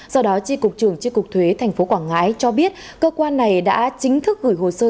do đó tri cục trưởng tri cục thuế tp quảng ngãi cho biết cơ quan này đã chính thức gửi hồ sơ